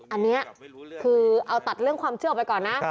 อันนี้คือเอาตัดเรื่องความเชื่อออกไปก่อนนะ